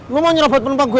gue mau nyerebat penumpangnya